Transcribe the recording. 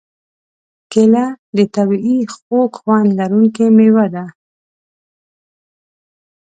کېله د طبعیي خوږ خوند لرونکې مېوه ده.